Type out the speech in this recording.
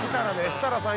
設楽さん